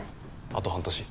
あと半年。